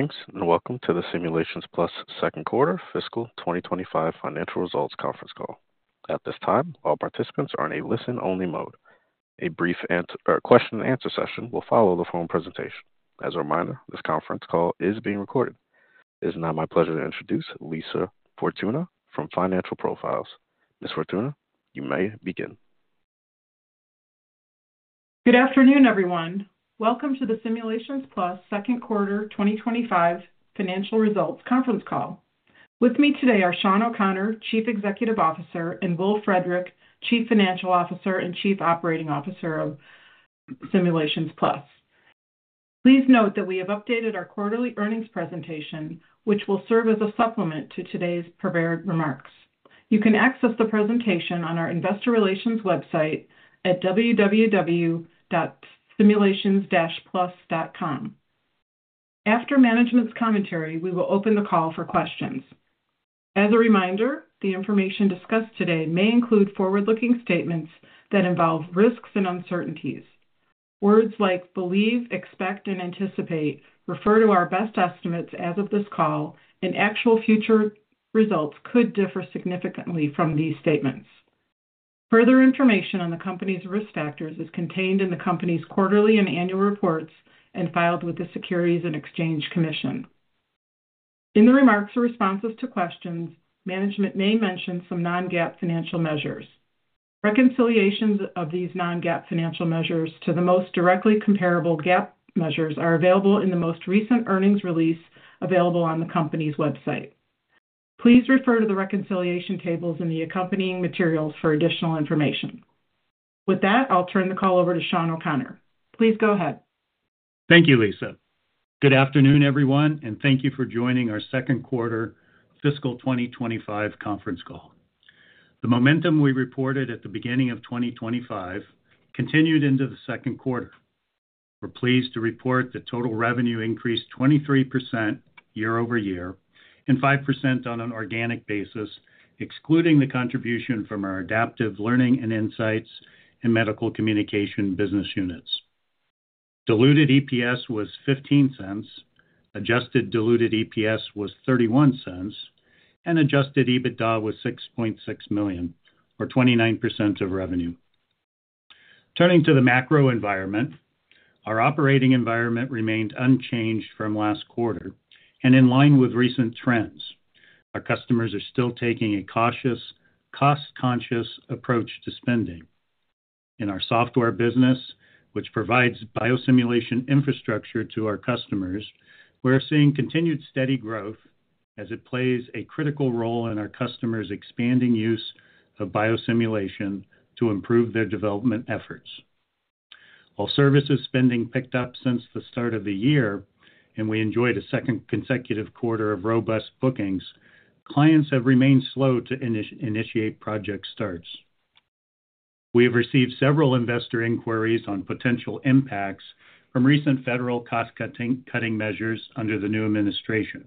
Greetings and welcome to the Simulations Plus second quarter fiscal 2025 financial results conference call. At this time, all participants are in a listen-only mode. A brief question-and-answer session will follow the phone presentation. As a reminder, this conference call is being recorded. It is now my pleasure to introduce Lisa Fortuna from Financial Profiles. Ms. Fortuna, you may begin. Good afternoon, everyone. Welcome to the Simulations Plus second quarter 2025 financial results conference call. With me today are Shawn O'Connor, Chief Executive Officer, and Will Frederick, Chief Financial Officer and Chief Operating Officer of Simulations Plus. Please note that we have updated our quarterly earnings presentation, which will serve as a supplement to today's prepared remarks. You can access the presentation on our Investor Relations website at www.simulations-plus.com. After management's commentary, we will open the call for questions. As a reminder, the information discussed today may include forward-looking statements that involve risks and uncertainties. Words like believe, expect, and anticipate refer to our best estimates as of this call, and actual future results could differ significantly from these statements. Further information on the company's risk factors is contained in the company's quarterly and annual reports and filed with the Securities and Exchange Commission. In the remarks or responses to questions, management may mention some non-GAAP financial measures. Reconciliations of these non-GAAP financial measures to the most directly comparable GAAP measures are available in the most recent earnings release available on the company's website. Please refer to the reconciliation tables in the accompanying materials for additional information. With that, I'll turn the call over to Shawn O'Connor. Please go ahead. Thank you, Lisa. Good afternoon, everyone, and thank you for joining our second quarter fiscal 2025 conference call. The momentum we reported at the beginning of 2025 continued into the second quarter. We're pleased to report the total revenue increased 23% year-over-year and 5% on an organic basis, excluding the contribution from our Adaptive Learning and Insights and Medical Communications business units. Diluted EPS was $0.15, adjusted diluted EPS was $0.31, and adjusted EBITDA was $6.6 million, or 29% of revenue. Turning to the macro environment, our operating environment remained unchanged from last quarter and in line with recent trends. Our customers are still taking a cautious, cost-conscious approach to spending. In our software business, which provides biosimulation infrastructure to our customers, we're seeing continued steady growth as it plays a critical role in our customers' expanding use of biosimulation to improve their development efforts. While services spending picked up since the start of the year and we enjoyed a second consecutive quarter of robust bookings, clients have remained slow to initiate project starts. We have received several investor inquiries on potential impacts from recent federal cost-cutting measures under the new administration.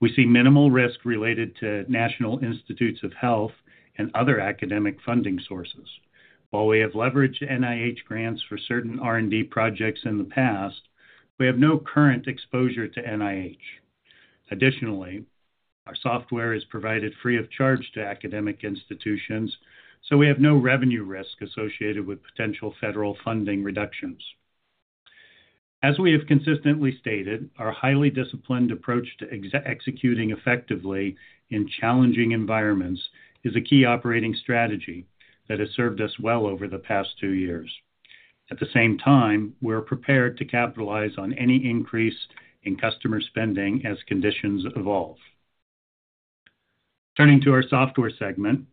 We see minimal risk related to National Institutes of Health and other academic funding sources. While we have leveraged NIH grants for certain R&D projects in the past, we have no current exposure to NIH. Additionally, our software is provided free of charge to academic institutions, so we have no revenue risk associated with potential federal funding reductions. As we have consistently stated, our highly disciplined approach to executing effectively in challenging environments is a key operating strategy that has served us well over the past two years. At the same time, we're prepared to capitalize on any increase in customer spending as conditions evolve. Turning to our software segment,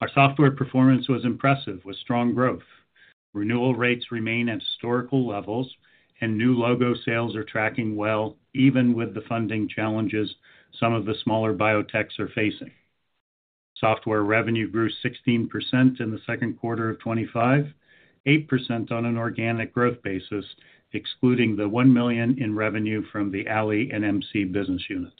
our software performance was impressive with strong growth. Renewal rates remain at historical levels, and new logo sales are tracking well even with the funding challenges some of the smaller biotechs are facing. Software revenue grew 16% in the second quarter of 2025, 8% on an organic growth basis, excluding the $1 million in revenue from the ALI and MC business units.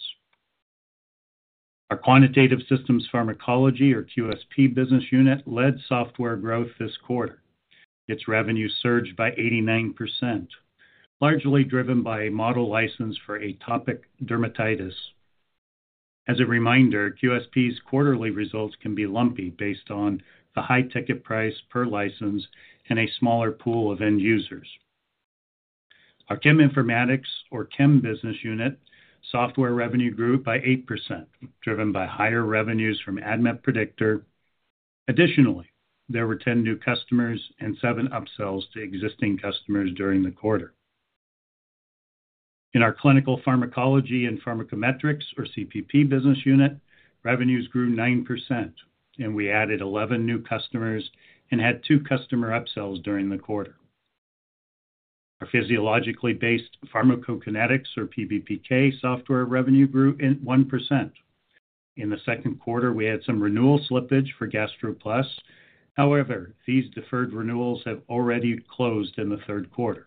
Our Quantitative Systems Pharmacology, or QSP, business unit led software growth this quarter. Its revenue surged by 89%, largely driven by a model license for atopic dermatitis. As a reminder, QSP's quarterly results can be lumpy based on the high ticket price per license and a smaller pool of end users. Our Cheminformatics, or chem business unit, software revenue grew by 8%, driven by higher revenues from ADMET Predictor. Additionally, there were 10 new customers and seven upsells to existing customers during the quarter. In our Clinical Pharmacology and Pharmacometrics, or CPP business unit, revenues grew 9%, and we added 11 new customers and had two customer upsells during the quarter. Our Physiologically Based Pharmacokinetics or PBPK software revenue grew 1%. In the second quarter, we had some renewal slippage for GastroPlus. However, these deferred renewals have already closed in the third quarter.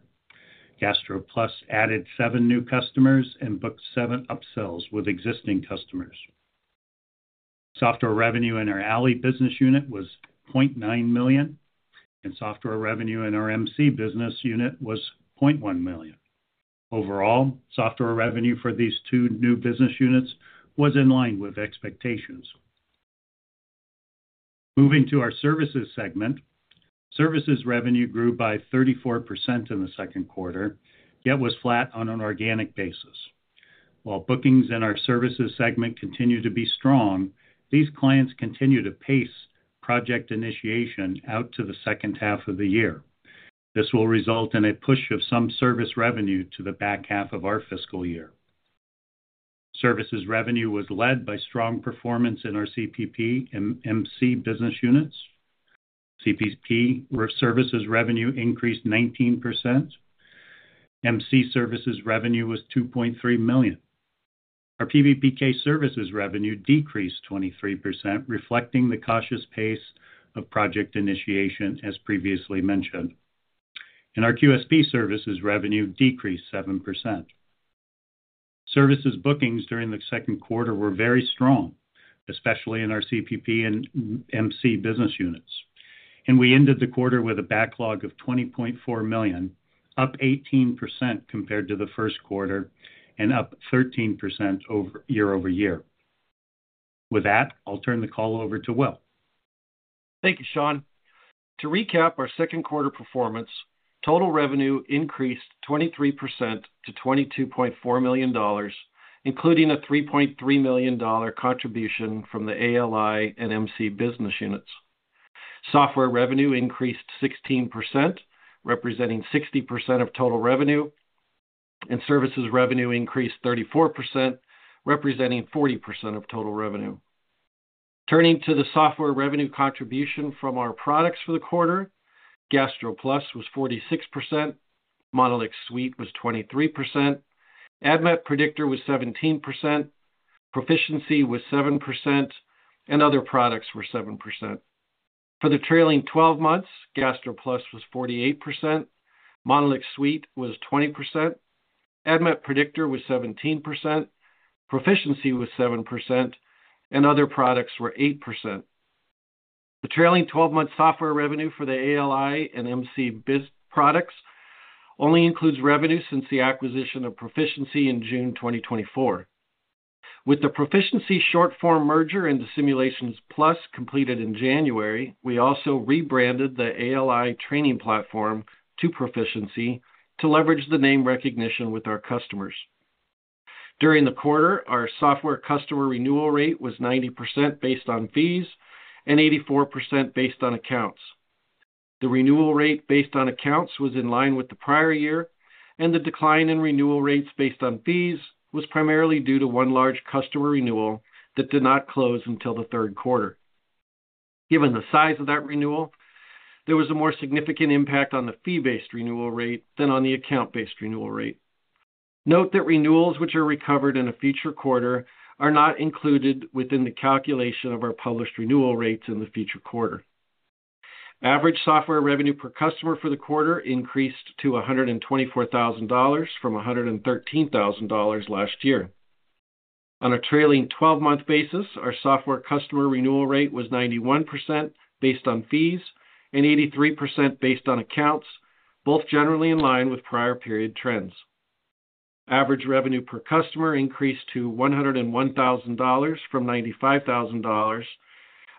GastroPlus added seven new customers and booked seven upsells with existing customers. Software revenue in our ALI business unit was $0.9 million, and software revenue in our MC business unit was $0.1 million. Overall, software revenue for these two new business units was in line with expectations. Moving to our services segment, services revenue grew by 34% in the second quarter, yet was flat on an organic basis. While bookings in our services segment continue to be strong, these clients continue to pace project initiation out to the second half of the year. This will result in a push of some service revenue to the back half of our fiscal year. Services revenue was led by strong performance in our CPP and MC business units. CPP services revenue increased 19%. MC services revenue was $2.3 million. Our PBPK services revenue decreased 23%, reflecting the cautious pace of project initiation, as previously mentioned. In our QSP services revenue, decreased 7%. Services bookings during the second quarter were very strong, especially in our CPP and MC business units. We ended the quarter with a backlog of $20.4 million, up 18% compared to the first quarter and up 13% year-over-year. With that, I'll turn the call over to Will. Thank you, Shawn. To recap our second quarter performance, total revenue increased 23% to $22.4 million, including a $3.3 million contribution from the ALI and MC business units. Software revenue increased 16%, representing 60% of total revenue, and services revenue increased 34%, representing 40% of total revenue. Turning to the software revenue contribution from our products for the quarter, GastroPlus was 46%, MonolixSuite was 23%, ADMET Predictor was 17%, Pro-ficiency was 7%, and other products were 7%. For the trailing 12 months, GastroPlus was 48%, MonolixSuite was 20%, ADMET Predictor was 17%, Pro-ficiency was 7%, and other products were 8%. The trailing 12-month software revenue for the ALI and MC products only includes revenue since the acquisition of Pro-ficiency in June 2024. With the Pro-ficiency short-form merger and the Simulations Plus merger completed in January, we also rebranded the ALI training platform to Pro-ficiency to leverage the name recognition with our customers. During the quarter, our software customer renewal rate was 90% based on fees and 84% based on accounts. The renewal rate based on accounts was in line with the prior year, and the decline in renewal rates based on fees was primarily due to one large customer renewal that did not close until the third quarter. Given the size of that renewal, there was a more significant impact on the fee-based renewal rate than on the account-based renewal rate. Note that renewals which are recovered in a future quarter are not included within the calculation of our published renewal rates in the future quarter. Average software revenue per customer for the quarter increased to $124,000 from $113,000 last year. On a trailing 12-month basis, our software customer renewal rate was 91% based on fees and 83% based on accounts, both generally in line with prior period trends. Average revenue per customer increased to $101,000 from $95,000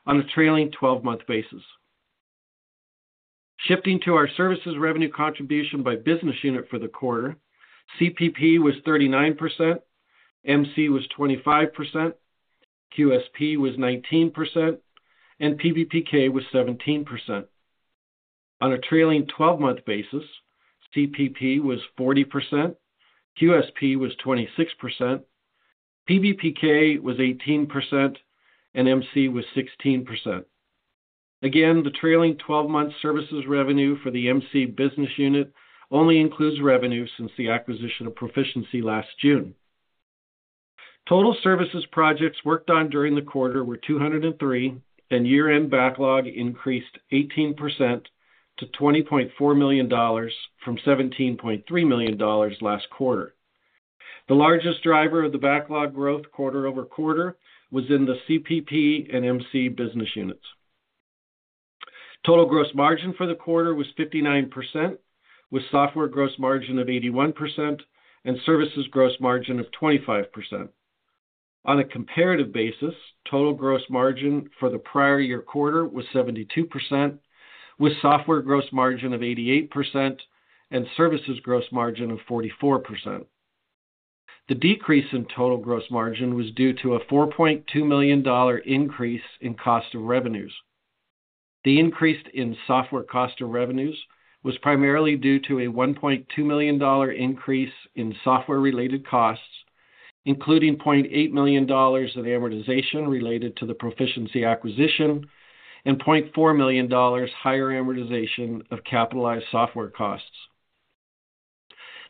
on a trailing 12-month basis. Shifting to our services revenue contribution by business unit for the quarter, CPP was 39%, MC was 25%, QSP was 19%, and PBPK was 17%. On a trailing 12-month basis, CPP was 40%, QSP was 26%, PBPK was 18%, and MC was 16%. Again, the trailing 12-month services revenue for the MC business unit only includes revenue since the acquisition of Pro-ficiency last June. Total services projects worked on during the quarter were 203, and year-end backlog increased 18% to $20.4 million from $17.3 million last quarter. The largest driver of the backlog growth quarter-over-quarter was in the CPP and MC business units. Total gross margin for the quarter was 59%, with software gross margin of 81% and services gross margin of 25%. On a comparative basis, total gross margin for the prior year quarter was 72%, with software gross margin of 88% and services gross margin of 44%. The decrease in total gross margin was due to a $4.2 million increase in cost of revenues. The increase in software cost of revenues was primarily due to a $1.2 million increase in software-related costs, including $0.8 million of amortization related to the Pro-ficiency acquisition and $0.4 million higher amortization of capitalized software costs.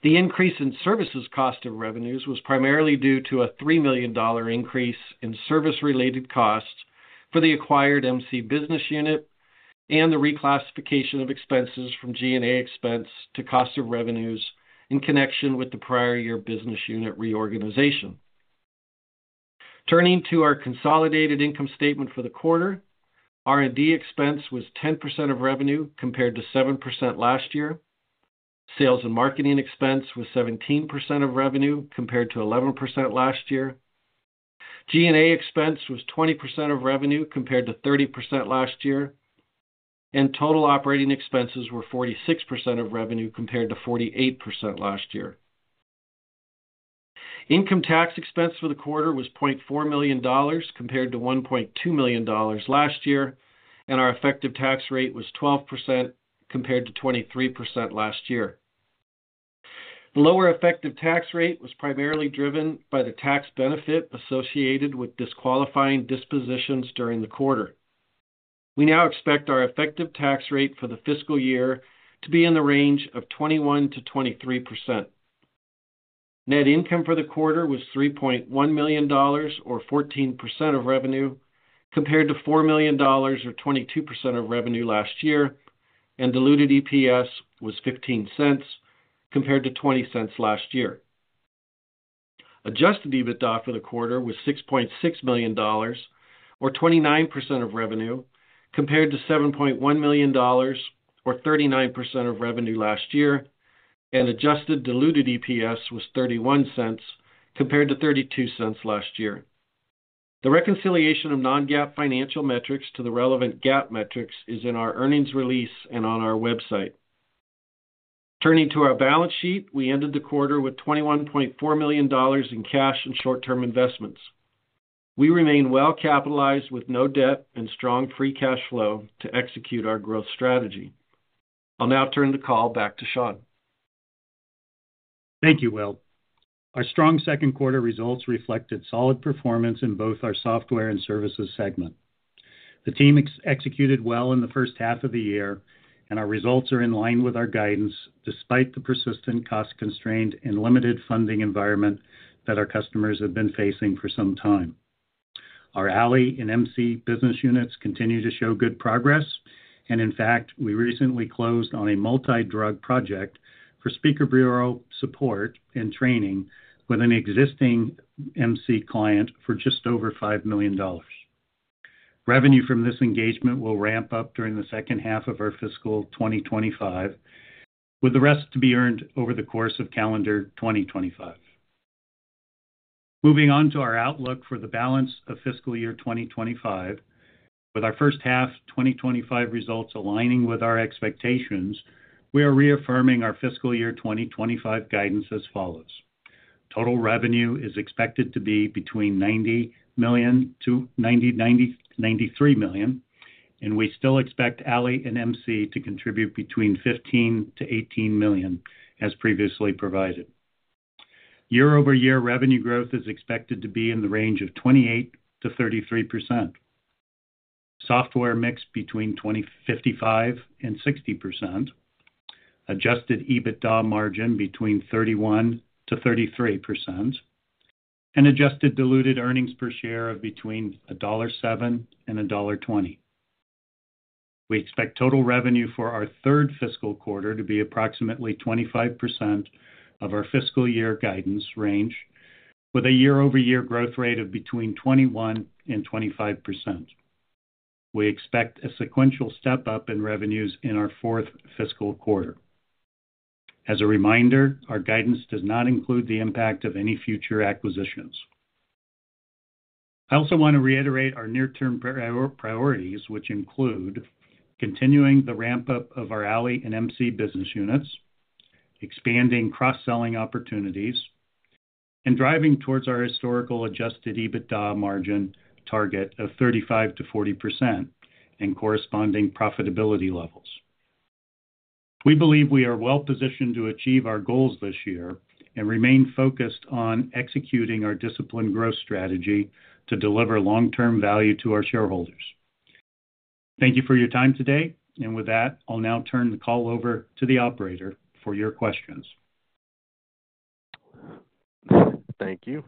The increase in services cost of revenues was primarily due to a $3 million increase in service-related costs for the acquired MC business unit and the reclassification of expenses from G&A expense to cost of revenues in connection with the prior year business unit reorganization. Turning to our consolidated income statement for the quarter, R&D expense was 10% of revenue compared to 7% last year. Sales and marketing expense was 17% of revenue compared to 11% last year. G&A expense was 20% of revenue compared to 30% last year. Total operating expenses were 46% of revenue compared to 48% last year. Income tax expense for the quarter was $0.4 million compared to $1.2 million last year, and our effective tax rate was 12% compared to 23% last year. The lower effective tax rate was primarily driven by the tax benefit associated with disqualifying dispositions during the quarter. We now expect our effective tax rate for the fiscal year to be in the range of 21%-23%. Net income for the quarter was $3.1 million, or 14% of revenue, compared to $4 million, or 22% of revenue last year, and diluted EPS was $0.15 compared to $0.20 last year. Adjusted EBITDA for the quarter was $6.6 million, or 29% of revenue, compared to $7.1 million, or 39% of revenue last year, and adjusted diluted EPS was $0.31 compared to $0.32 last year. The reconciliation of non-GAAP financial metrics to the relevant GAAP metrics is in our earnings release and on our website. Turning to our balance sheet, we ended the quarter with $21.4 million in cash and short-term investments. We remain well capitalized with no debt and strong free cash flow to execute our growth strategy. I'll now turn the call back to Shawn. Thank you, Will. Our strong second quarter results reflected solid performance in both our software and services segment. The team executed well in the first half of the year, and our results are in line with our guidance despite the persistent cost-constrained and limited funding environment that our customers have been facing for some time. Our ALI and MC business units continue to show good progress, and in fact, we recently closed on a multi-drug project for speaker bureau support and training with an existing MC client for just over $5 million. Revenue from this engagement will ramp up during the second half of our fiscal 2025, with the rest to be earned over the course of calendar 2025. Moving on to our outlook for the balance of fiscal year 2025, with our first half 2025 results aligning with our expectations, we are reaffirming our fiscal year 2025 guidance as follows. Total revenue is expected to be between $90 million-$93 million, and we still expect ALI and MC to contribute between $15 million-$18 million, as previously provided. Year-over-year revenue growth is expected to be in the range of 28%-33%. Software mix between 55% and 60%, adjusted EBITDA margin between 31%-33%, and adjusted diluted earnings per share of between $1.07 and $1.20. We expect total revenue for our third fiscal quarter to be approximately 25% of our fiscal year guidance range, with a year-over-year growth rate of between 21% and 25%. We expect a sequential step-up in revenues in our fourth fiscal quarter. As a reminder, our guidance does not include the impact of any future acquisitions. I also want to reiterate our near-term priorities, which include continuing the ramp-up of our ALI and MC business units, expanding cross-selling opportunities, and driving towards our historical adjusted EBITDA margin target of 35%-40% and corresponding profitability levels. We believe we are well-positioned to achieve our goals this year and remain focused on executing our disciplined growth strategy to deliver long-term value to our shareholders. Thank you for your time today, and with that, I'll now turn the call over to the operator for your questions. Thank you.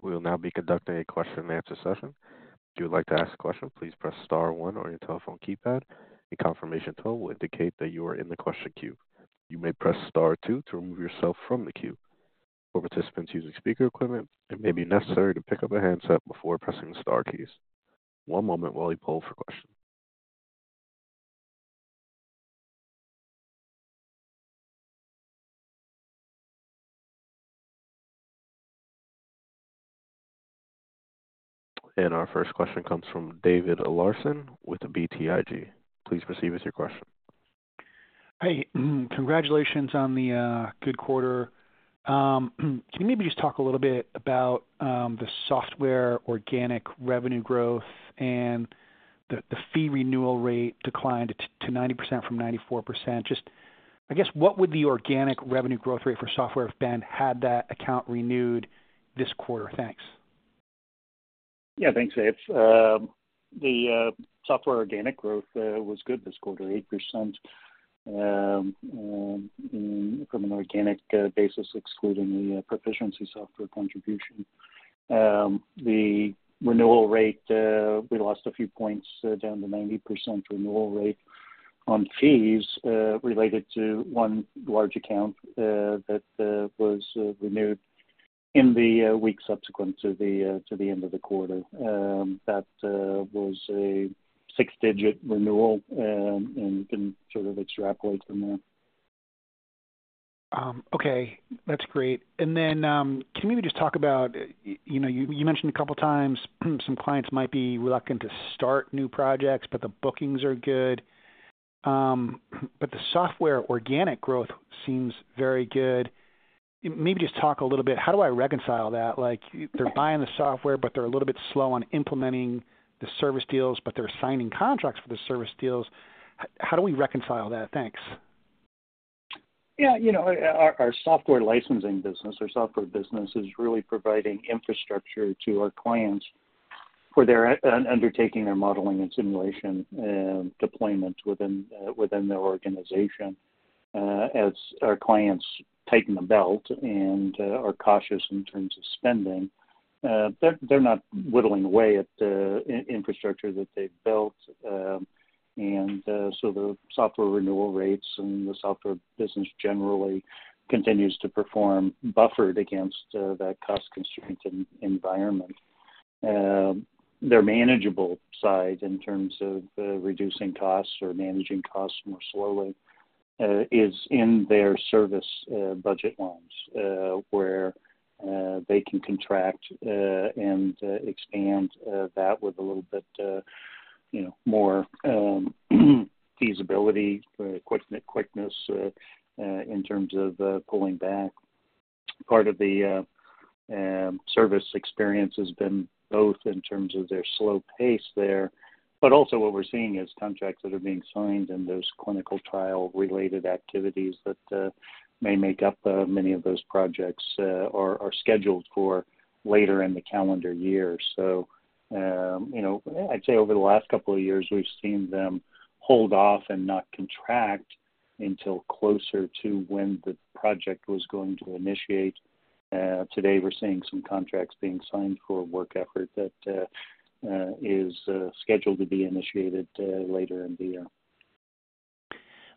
We will now be conducting a question-and-answer session. If you would like to ask a question, please press star one on your telephone keypad, and a confirmation tone will indicate that you are in the question queue. You may press star two to remove yourself from the queue. For participants using speaker equipment, it may be necessary to pick up a handset before pressing the star keys. One moment while we pull for questions. Our first question comes from David Larsen with BTIG. Please proceed with your question. Hi. Congratulations on the good quarter. Can you maybe just talk a little bit about the software organic revenue growth and the fee renewal rate declined to 90% from 94%? Just, I guess, what would the organic revenue growth rate for software have been had that account renewed this quarter? Thanks. Yeah, thanks, Dave. The software organic growth was good this quarter, 8% from an organic basis, excluding the Pro-ficiency software contribution. The renewal rate, we lost a few points down to 90% renewal rate on fees related to one large account that was renewed in the week subsequent to the end of the quarter. That was a six-digit renewal, and you can sort of extrapolate from there. Okay. That's great. Can you maybe just talk about, you mentioned a couple of times some clients might be reluctant to start new projects, but the bookings are good. The software organic growth seems very good. Maybe just talk a little bit, how do I reconcile that? They're buying the software, but they're a little bit slow on implementing the service deals, but they're signing contracts for the service deals. How do we reconcile that? Thanks. Yeah. Our software licensing business, our software business, is really providing infrastructure to our clients for undertaking their modeling and simulation deployment within their organization. As our clients tighten the belt and are cautious in terms of spending, they're not whittling away at the infrastructure that they've built. The software renewal rates and the software business generally continues to perform buffered against that cost-constraint environment. Their manageable side in terms of reducing costs or managing costs more slowly is in their service budget lines, where they can contract and expand that with a little bit more feasibility, quickness in terms of pulling back. Part of the service experience has been both in terms of their slow pace there, but also what we're seeing is contracts that are being signed and those clinical trial-related activities that may make up many of those projects are scheduled for later in the calendar year. I'd say over the last couple of years, we've seen them hold off and not contract until closer to when the project was going to initiate. Today, we're seeing some contracts being signed for a work effort that is scheduled to be initiated later in the year.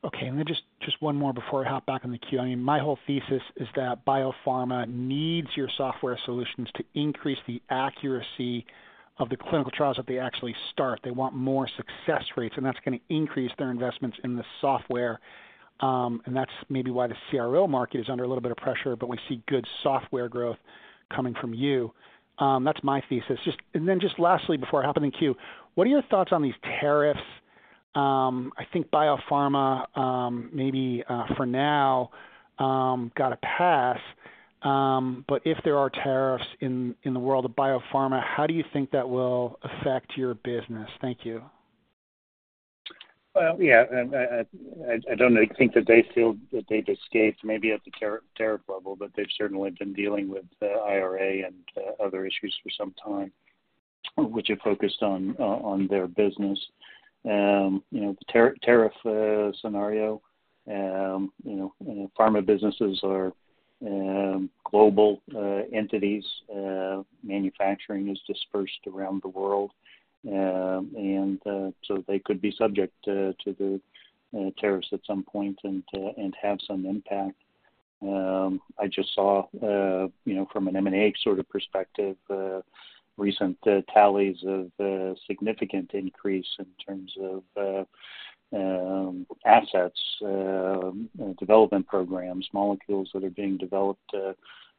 Okay. And then just one more before I hop back on the queue. I mean, my whole thesis is that biopharma needs your software solutions to increase the accuracy of the clinical trials that they actually start. They want more success rates, and that's going to increase their investments in the software. And that's maybe why the CRO market is under a little bit of pressure, but we see good software growth coming from you. That's my thesis. Lastly, before I hop in the queue, what are your thoughts on these tariffs? I think biopharma, maybe for now, got a pass. If there are tariffs in the world of biopharma, how do you think that will affect your business? Thank you. I don't think that they feel that they've escaped maybe at the tariff level, but they've certainly been dealing with IRA and other issues for some time, which are focused on their business. The tariff scenario, pharma businesses are global entities. Manufacturing is dispersed around the world, and so they could be subject to the tariffs at some point and have some impact. I just saw, from an M&A sort of perspective, recent tallies of significant increase in terms of assets, development programs, molecules that are being developed.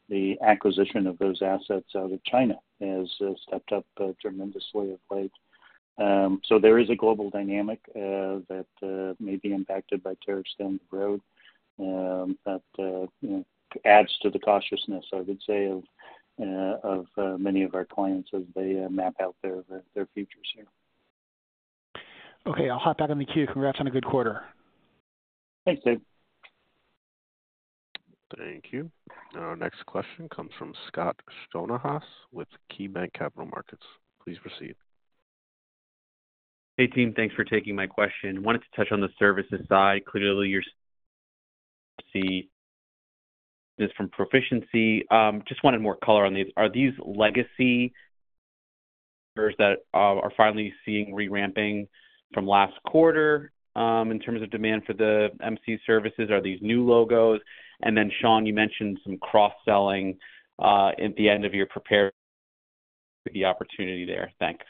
The acquisition of those assets out of China has stepped up tremendously of late. There is a global dynamic that may be impacted by tariffs down the road that adds to the cautiousness, I would say, of many of our clients as they map out their futures here. Okay. I'll hop back on the queue. Congrats on a good quarter. Thanks, Dave. Thank you. Our next question comes from Scott Schoenhaus with KeyBanc Capital Markets. Please proceed. Hey, team. Thanks for taking my question. Wanted to touch on the services side. Clearly, you're seeing this from Pro-ficiency. Just wanted more color on these. Are these legacy numbers that are finally seeing re-ramping from last quarter in terms of demand for the MC services? Are these new logos? Shawn, you mentioned some cross-selling at the end of your prepared, the opportunity there. Thanks.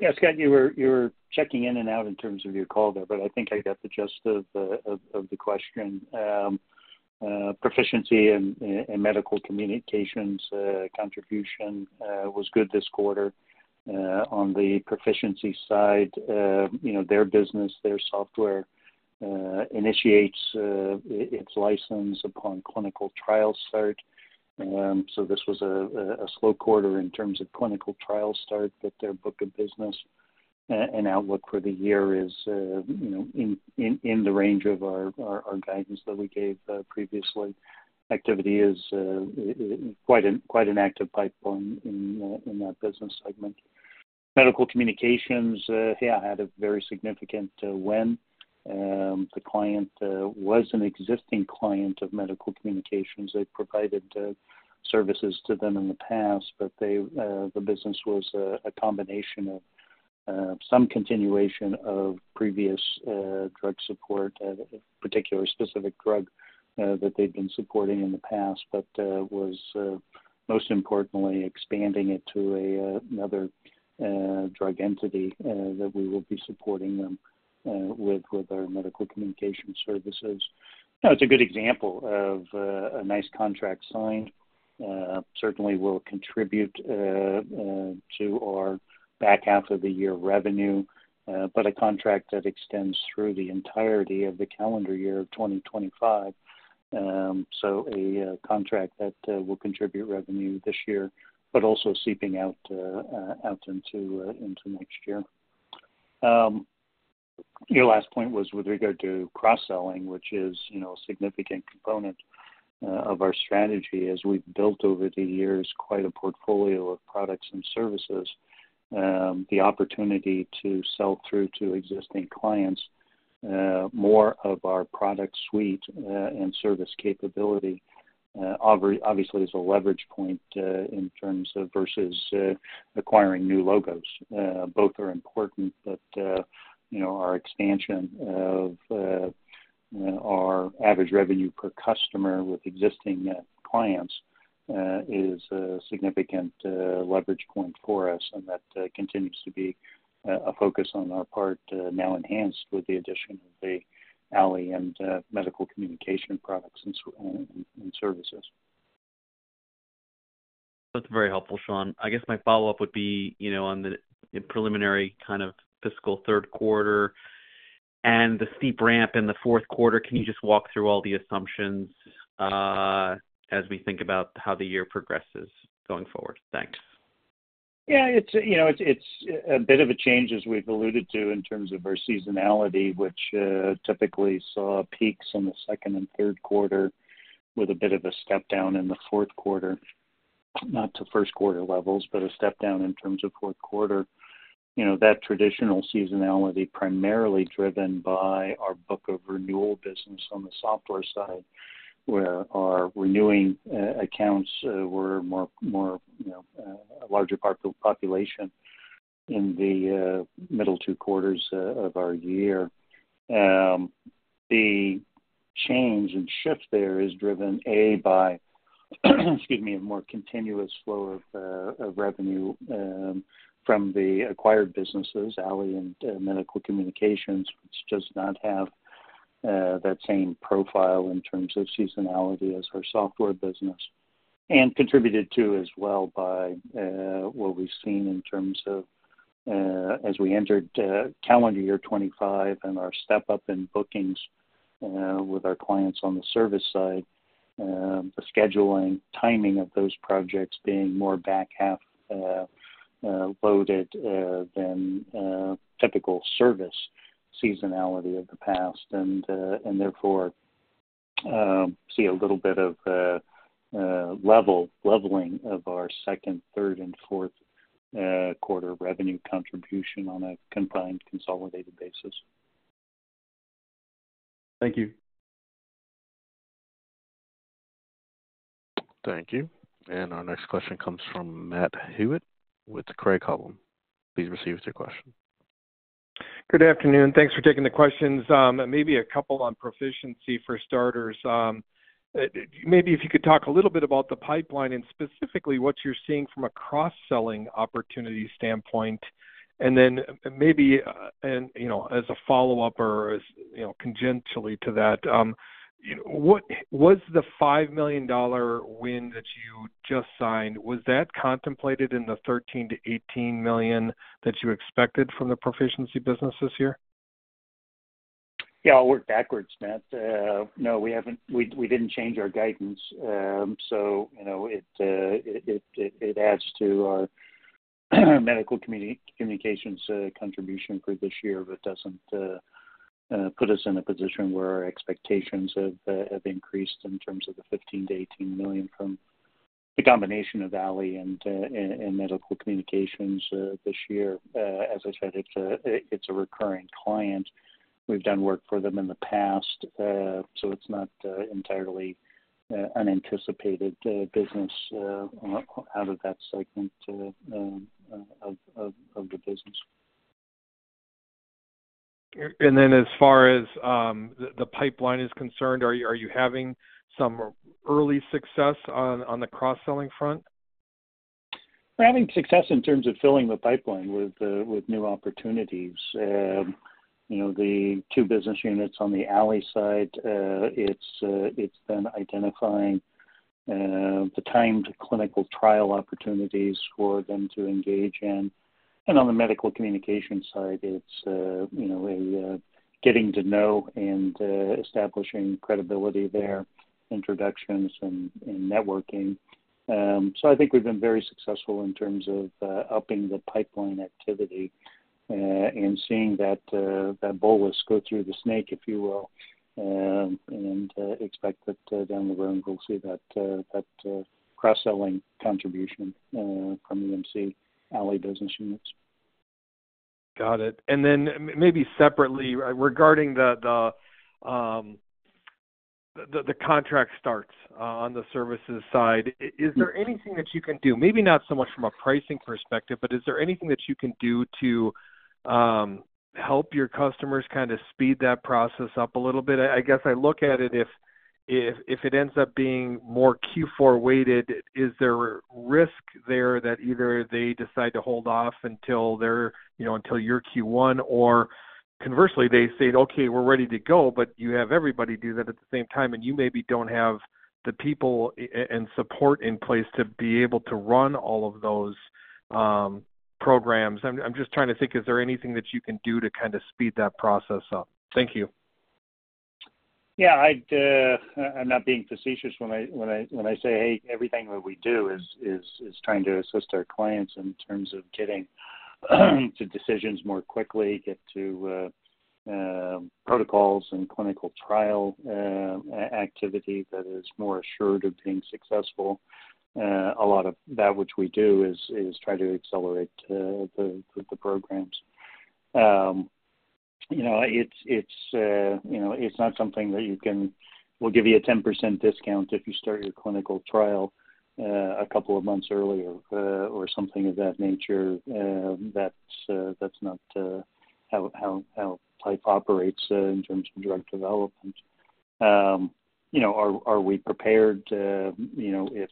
Yeah. Scott, you were checking in and out in terms of your call there, but I think I got the gist of the question. Pro-ficiency and Medical Communications contribution was good this quarter. On the Pro-ficiency side, their business, their software initiates its license upon clinical trial start. This was a slow quarter in terms of clinical trial start, but their book of business and outlook for the year is in the range of our guidance that we gave previously. Activity is quite an active pipeline in that business segment. Medical Communications, yeah, had a very significant win. The client was an existing client of Medical Communications. They've provided services to them in the past, but the business was a combination of some continuation of previous drug support, a particular specific drug that they'd been supporting in the past, but was most importantly expanding it to another drug entity that we will be supporting them with our Medical Communications services. It's a good example of a nice contract signed. Certainly, it will contribute to our back half of the year revenue, but a contract that extends through the entirety of the calendar year of 2025. A contract that will contribute revenue this year, but also seeping out into next year. Your last point was with regard to cross-selling, which is a significant component of our strategy as we've built over the years quite a portfolio of products and services. The opportunity to sell through to existing clients more of our product suite and service capability, obviously, is a leverage point in terms of, versus acquiring new logos. Both are important, but our expansion of our average revenue per customer with existing clients is a significant leverage point for us, and that continues to be a focus on our part, now enhanced with the addition of the ALI and Medical Communications products and services. That's very helpful, Shawn. I guess my follow-up would be on the preliminary kind of fiscal third quarter and the steep ramp in the fourth quarter. Can you just walk through all the assumptions as we think about how the year progresses going forward? Thanks. Yeah. It's a bit of a change, as we've alluded to, in terms of our seasonality, which typically saw peaks in the second and third quarter with a bit of a step down in the fourth quarter. Not to first quarter levels, but a step down in terms of fourth quarter. That traditional seasonality primarily driven by our book of renewal business on the software side, where our renewing accounts were a larger population in the middle two quarters of our year. The change and shift there is driven, A, by, excuse me, a more continuous flow of revenue from the acquired businesses, ALI and Medical Communications, which does not have that same profile in terms of seasonality as our software business. Contributed to as well by what we've seen in terms of, as we entered calendar year 2025 and our step up in bookings with our clients on the service side, the scheduling timing of those projects being more back half loaded than typical service seasonality of the past, and therefore see a little bit of leveling of our second, third, and fourth quarter revenue contribution on a confined, consolidated basis. Thank you. Thank you. Our next question comes from Matt Hewitt with Craig-Hallum. Please proceed with your question. Good afternoon. Thanks for taking the questions. Maybe a couple on Pro-ficiency for starters. Maybe if you could talk a little bit about the pipeline and specifically what you're seeing from a cross-selling opportunity standpoint. Maybe as a follow-up or conjunctually to that, was the $5 million win that you just signed, was that contemplated in the $13 million-$18 million that you expected from the Pro-ficiency business this year? Yeah. I'll work backwards, Matt. No, we didn't change our guidance. It adds to our Medical Communications contribution for this year, but doesn't put us in a position where our expectations have increased in terms of the $15 million-$18 million from the combination of ALI and Medical Communications this year. As I said, it's a recurring client. We've done work for them in the past, so it's not entirely unanticipated business out of that segment of the business. As far as the pipeline is concerned, are you having some early success on the cross-selling front? We're having success in terms of filling the pipeline with new opportunities. The two business units on the ALI side, it's been identifying the timed clinical trial opportunities for them to engage in. On the Medical Communications side, it's getting to know and establishing credibility there, introductions, and networking. I think we've been very successful in terms of upping the pipeline activity and seeing that bolus go through the snake, if you will, and expect that down the road we'll see that cross-selling contribution from the MC, ALI business units. Got it. Maybe separately, regarding the contract starts on the services side, is there anything that you can do? Maybe not so much from a pricing perspective, but is there anything that you can do to help your customers kind of speed that process up a little bit? I guess I look at it if it ends up being more Q4 weighted, is there risk there that either they decide to hold off until your Q1, or conversely, they say, "Okay, we're ready to go," but you have everybody do that at the same time, and you maybe do not have the people and support in place to be able to run all of those programs. I am just trying to think, is there anything that you can do to kind of speed that process up? Thank you. Yeah. I'm not being facetious when I say, "Hey, everything that we do is trying to assist our clients in terms of getting to decisions more quickly, get to protocols and clinical trial activity that is more assured of being successful." A lot of that which we do is try to accelerate the programs. It's not something that you can, we'll give you a 10% discount if you start your clinical trial a couple of months earlier or something of that nature. That's not how life operates in terms of drug development. Are we prepared if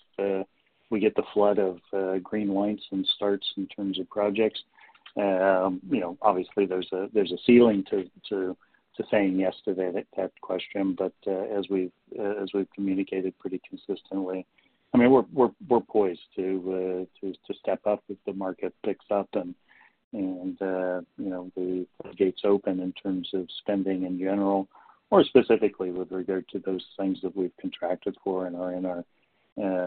we get the flood of green lights and starts in terms of projects? Obviously, there's a ceiling to saying yes to that question, but as we've communicated pretty consistently, I mean, we're poised to step up if the market picks up and the gates open in terms of spending in general, or specifically with regard to those things that we've contracted for and are in our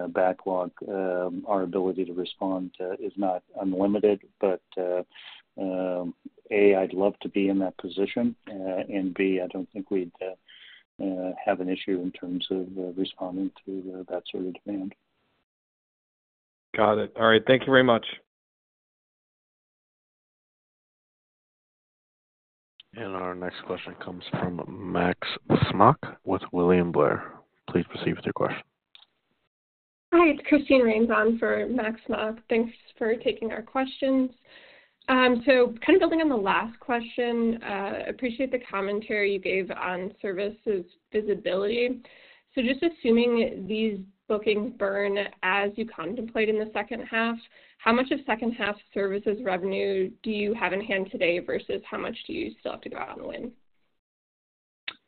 backlog. Our ability to respond is not unlimited, but A, I'd love to be in that position, and B, I don't think we'd have an issue in terms of responding to that sort of demand. Got it. All right. Thank you very much. Our next question comes from Max Smock with William Blair. Please proceed with your question. Hi. It's Christine Rains on for Max Smock. Thanks for taking our questions. Kind of building on the last question, I appreciate the commentary you gave on services visibility. Just assuming these bookings burn as you contemplate in the second half, how much of second-half services revenue do you have in hand today versus how much do you still have to go out and win?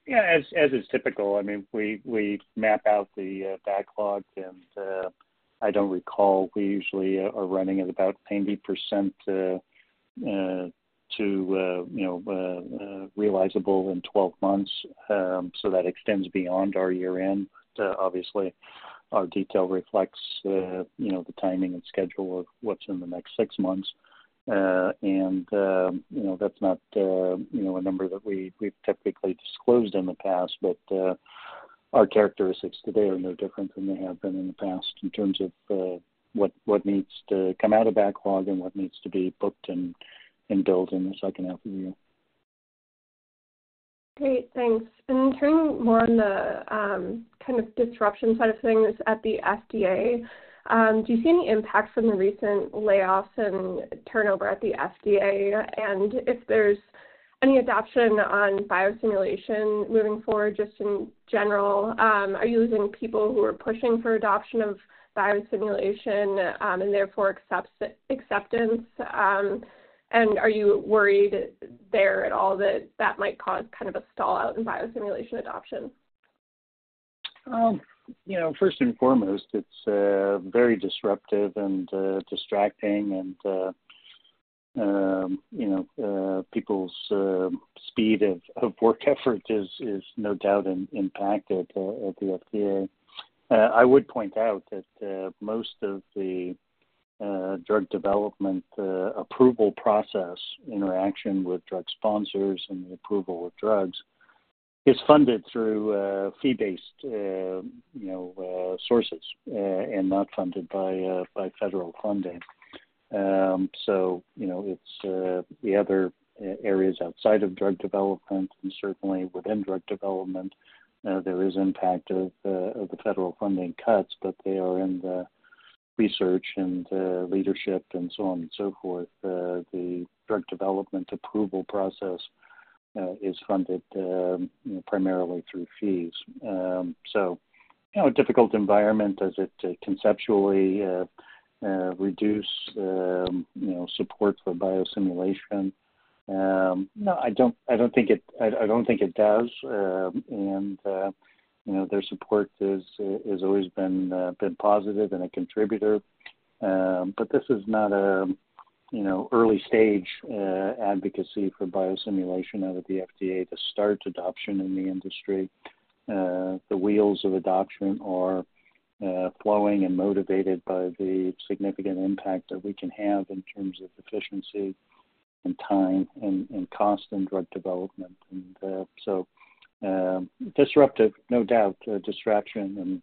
Yeah. As is typical, I mean, we map out the backlog, and I don't recall. We usually are running at about 90% to realizable in 12 months. That extends beyond our year-end. Obviously, our detail reflects the timing and schedule of what's in the next six months. That's not a number that we've technically disclosed in the past, but our characteristics today are no different than they have been in the past in terms of what needs to come out of backlog and what needs to be booked and built in the second half of the year. Great. Thanks. Turning more on the kind of disruption side of things at the FDA, do you see any impact from the recent layoffs and turnover at the FDA? If there's any adoption on biosimulation moving forward, just in general, are you losing people who are pushing for adoption of biosimulation and therefore acceptance? Are you worried there at all that that might cause kind of a stall out in biosimulation adoption? First and foremost, it's very disruptive and distracting, and people's speed of work effort is no doubt impacted at the FDA. I would point out that most of the drug development approval process in reaction with drug sponsors and the approval of drugs is funded through fee-based sources and not funded by federal funding. It's the other areas outside of drug development, and certainly within drug development, there is impact of the federal funding cuts, but they are in the research and leadership and so on and so forth. The drug development approval process is funded primarily through fees. A difficult environment. Does it conceptually reduce support for biosimulation? No, I don't think it does. Their support has always been positive and a cOntributor, but this is not an early-stage advocacy for biosimulation out of the FDA to start adoption in the industry. The wheels of adoption are flowing and motivated by the significant impact that we can have in terms of efficiency and time and cost in drug development. Disruptive, no doubt, distraction,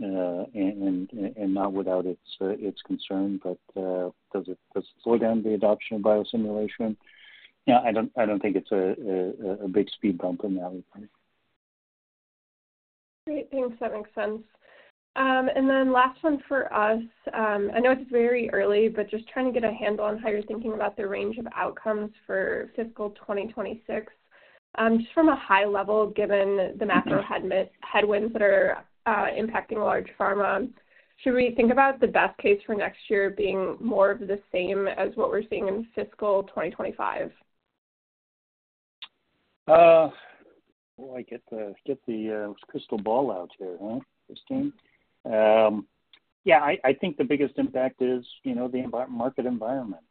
and not without its concern, but does it slow down the adoption of biosimulation? Yeah, I don't think it's a big speed bumper now. Great. Thanks. That makes sense. Last one for us. I know it's very early, but just trying to get a handle on how you're thinking about the range of outcomes for fiscal 2026. Just from a high level, given the macro headwinds that are impacting large pharma, should we think about the best case for next year being more of the same as what we're seeing in fiscal 2025? I get the crystal ball out here, huh, Christine? Yeah. I think the biggest impact is the market environment.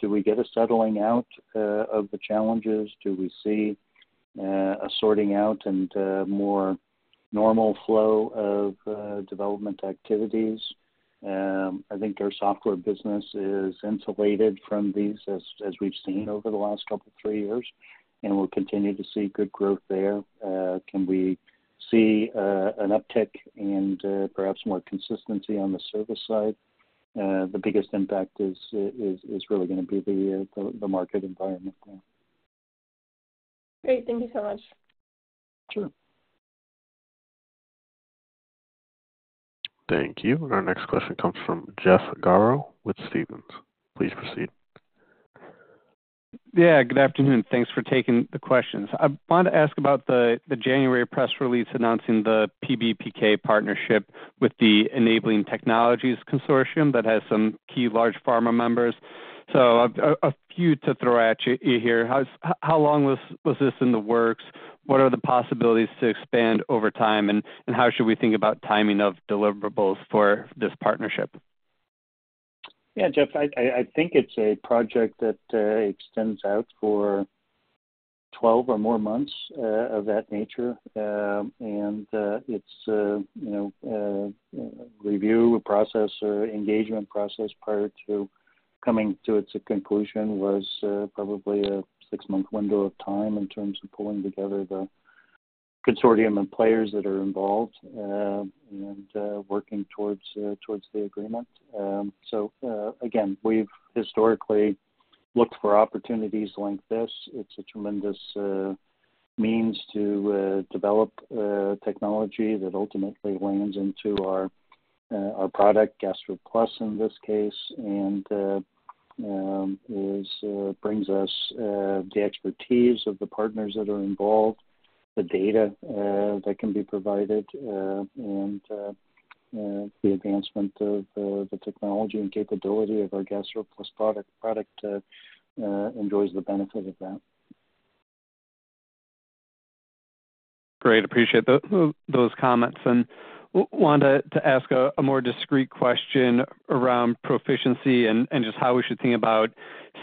Do we get a settling out of the challenges? Do we see a sorting out and more normal flow of development activities? I think our software business is insulated from these as we've seen over the last couple of three years, and we'll continue to see good growth there. Can we see an uptick and perhaps more consistency on the service side? The biggest impact is really going to be the market environment. Great. Thank you so much. Sure. Thank you. Our next question comes from Jeff Garro with Stephens. Please proceed. Yeah. Good afternoon. Thanks for taking the questions. I wanted to ask about the January press release announcing the PBPK partnership with the Enabling Technologies Consortium that has some key large pharma members. A few to throw at you here. How long was this in the works? What are the possibilities to expand over time, and how should we think about timing of deliverables for this partnership? Yeah, Jeff, I think it's a project that extends out for 12 or more months of that nature. Its review process or engagement process prior to coming to its conclusion was probably a six-month window of time in terms of pulling together the consortium and players that are involved and working towards the agreement. We've historically looked for opportunities like this. It's a tremendous means to develop technology that ultimately laNds into our product, GastroPlus in this case, and brings us the expertise of the partners that are involved, the data that can be provided, and the advancement of the technology and capability of our GastroPlus product enjoys the benefit of that. Great. Appreciate those comments. I wanted to ask a more discreet question around Pro-ficiency and just how we should think about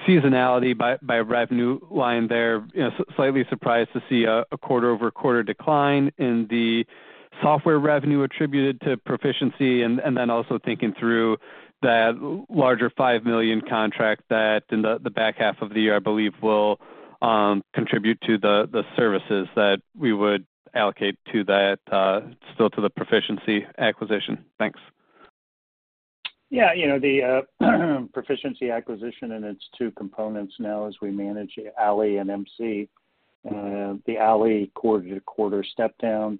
seasonality by revenue line there. Slightly surprised to see a quarter-over-quarter decline in the software revenue attributed to Pro-ficiency, and then also thinking through that larger $5 million contract that in the back half of the year, I believe, will contribute to the services that we would allocate to that still to the Pro-ficiency acquisition. Thanks. Yeah. The Pro-ficiency acquisition and its two components now as we manage ALI and MC. The ALI quarter-to-quarter step-down,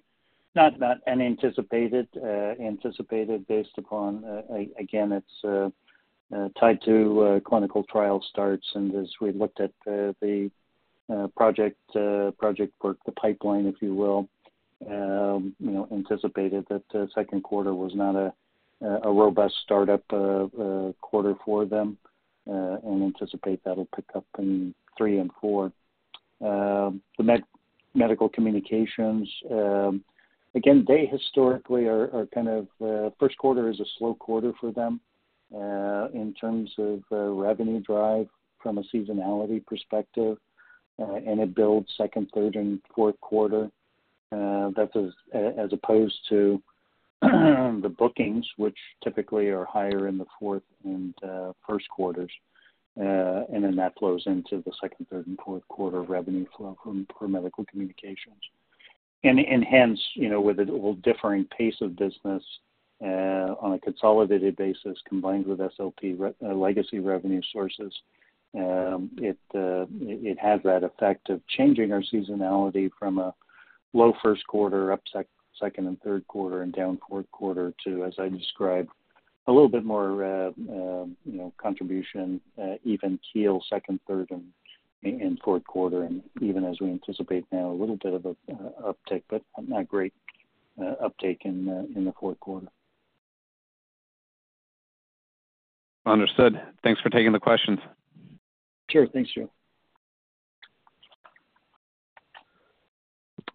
not unanticipated, anticipated based upon, again, it's tied to clinical trial starts. As we looked at the project work, the pipeline, if you will, anticipated that the second quarter was not a robust start-up quarter for them and anticipate that'll pick up in three and four. The Medical Communications, again, they historically are kind of first quarter is a slow quarter for them in terms of revenue drive from a seasonality perspective, and it builds second, third, and fourth quarter. That's as opposed to the bookings, which typically are higher in the fourth and first quarters. That flows into the second, third, and fourth quarter revenue flow for Medical Communications. Hence, with a little differing pace of business on a consolidated basis combined with SLP legacy revenue sources, it has that effect of changing our seasonality from a low first quarter, up second and third quarter, and down fourth quarter to, as I described, a little bit more contribution, even keel second, third, and fourth quarter. Even as we anticipate now a little bit of an uptick, but not great uptake in the fourth quarter. Understood. Thanks for taking the questions. Sure. Thanks, Jeff.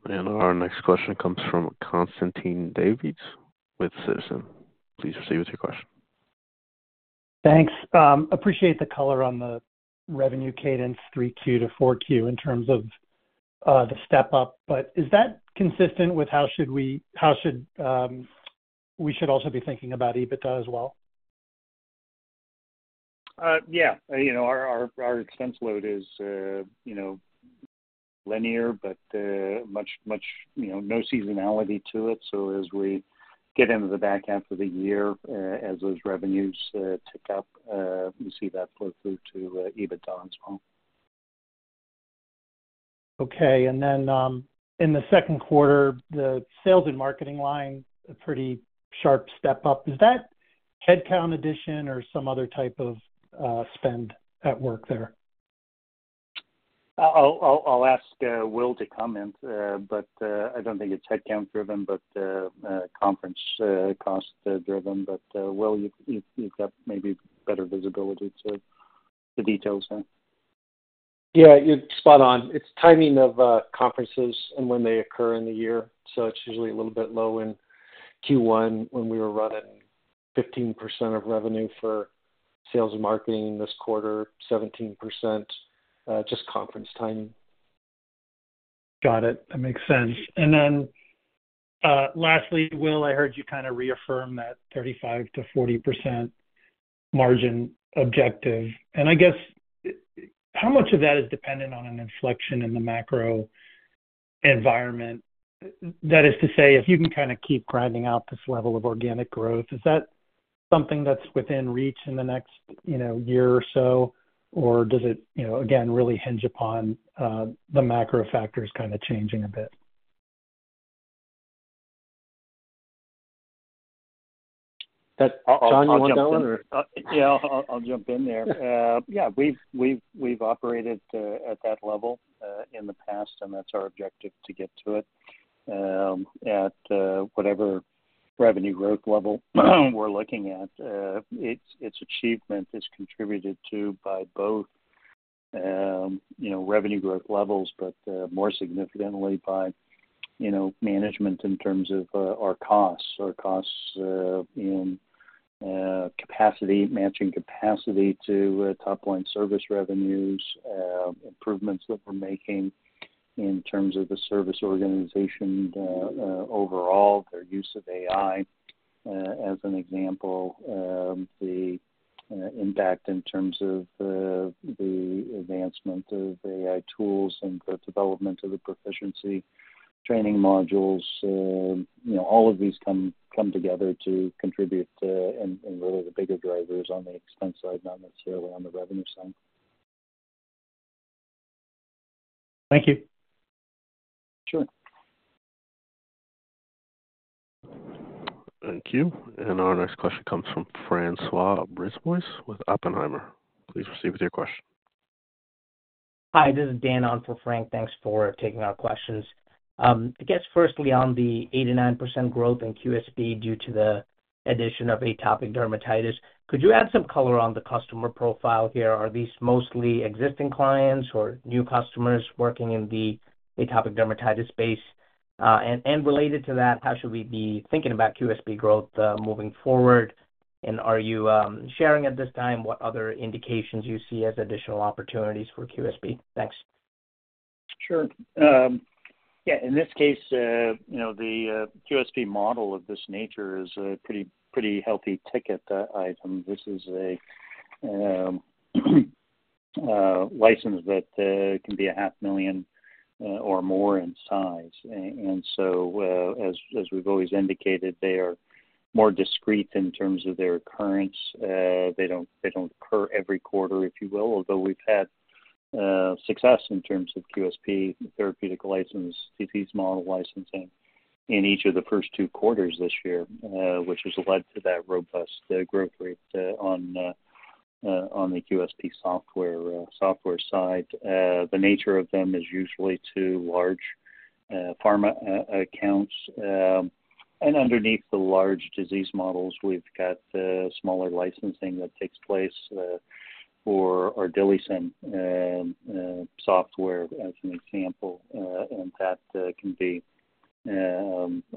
Our next question comes from Constantine Davides with Citizens. Please proceed with your question. Thanks. Appreciate the color on the revenue cadence, 3Q to 4Q in terms of the step-up, but is that consistent with how we should also be thinking about EBITDA as well? Yeah. Our expense load is linear, but much no seasonality to it. As we get into the back half of the year, as those revenues tick up, we see that flow through to EBITDA as well. Okay. In the second quarter, the sales and marketing line, a pretty sharp step-up. Is that headcount addition or some other type of spend at work there? I'll ask Will to comment, but I don't think it's headcount-driven but conference cost-driven. Will, you've got maybe better visibility to the details there. Yeah. You're spot on. It's timing of conferences and when they occur in the year. It's usually a little bit low in Q1 when we were running 15% of revenue for sales and marketing this quarter, 17% just conference timing. Got it. That makes sense. Lastly, Will, I heard you kind of reaffirm that 35%-40% margin objective. I guess how much of that is dependent on an inflection in the macro environment? That is to say, if you can kind of keep grinding out this level of organic growth, is that something that's within reach in the next year or so, or does it, again, really hinge upon the macro factors kind of changing a bit? Will, you want to go in or? Yeah. I'll jump in there. Yeah. We've operated at that level in the past, and that's our objective to get to it at whatever revenue growth level we're looking at. Its achievement is contributed to by both revenue growth levels, but more significantly by management in terms of our costs, our costs in capacity, matching capacity to top-line service revenues, improvements that we're making in terms of the service organization overall, their use of AI as an example, the impact in terms of the advancement of AI tools and the development of the Pro-ficiency training modules. All of these come together to contribute and really the bigger drivers on the expense side, not necessarily on the revenue side. Thank you. Sure. Thank you. Our next question comes from Francois Brisebois with Oppenheimer. Please proceed with your question. Hi. This is Dan on for Francois. Thanks for taking our questions. I guess firstly on the 89% growth in QSP due to the addition of atopic dermatitis. Could you add some color on the customer profile here? Are these mostly existing clients or new customers working in the atopic dermatitis space? Related to that, how should we be thinking about QSP growth moving forward? Are you sharing at this time what other indications you see as additional opportunities for QSP? Thanks. Sure. Yeah. In this case, the QSP model of this nature is a pretty healthy ticket item. This is a license that can be 500,000 or more in size. As we've always indicated, they are more discreet in terms of their occurrence. They don't occur every quarter, if you will, although we've had success in terms of QSP therapeutic license, disease model licensing in each of the first two quarters this year, which has led to that robust growth rate on the QSP software side. The nature of them is usually to large pharma accounts. Underneath the large disease models, we've got smaller licensing that takes place for our DILIsym software as an example. That can be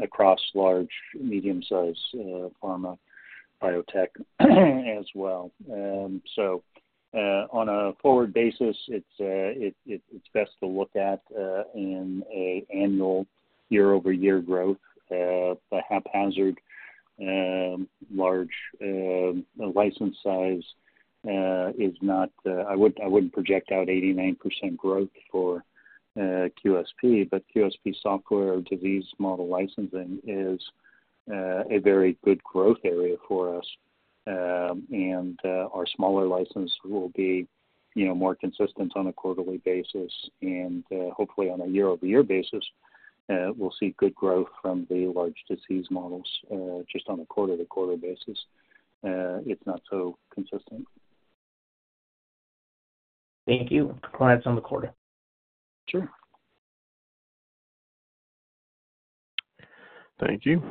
across large, medium-sized pharma biotech as well. On a forward basis, it's best to look at in an annual year-over-year growth. The haphazard, large license size is not, I wouldn't project out 89% growth for QSP, but QSP software disease model licensing is a very good growth area for us. Our smaller license will be more consistent on a quarterly basis. Hopefully, on a year-over-year basis, we'll see good growth from the large disease models. Just on a quarter-to-quarter basis, it's not so consistent. Thank you. Congrats on the quarter. Sure. Thank you.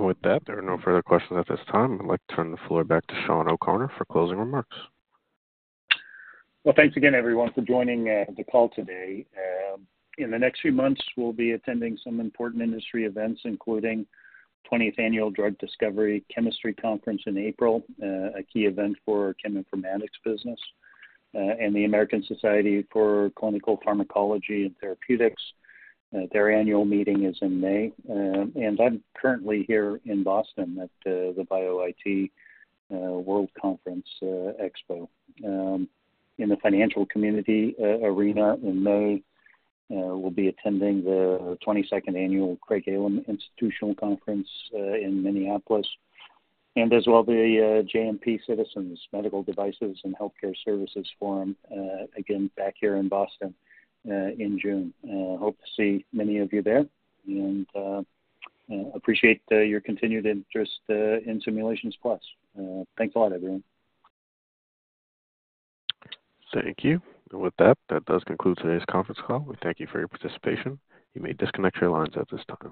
With that, there are no further questions at this time. I'd like to turn the floor back to Shawn O'Connor for closing remarks. Thanks again, everyone, for joining the call today. In the next few months, we'll be attending some important industry events, including the 20th Annual Drug Discovery Chemistry Conference in April, a key event for our Cheminformatics business, and the American Society for Clinical Pharmacology and Therapeutics. Their annual meeting is in May. I'm currently here in Boston at the Bio-IT World Conference Expo. In the financial community arena in May, we'll be attending the 22nd Annual Craig-Hallum Institutional Conference in Minneapolis, as well as the Citizens JMP Medical Devices and Healthcare Services Forum, again, back here in Boston in June. Hope to see many of you there. Appreciate your continued interest in Simulations Plus. Thanks a lot, everyone. Thank you. With that, that does conclude today's conference call. We thank you for your participation. You may disconnect your lines at this time.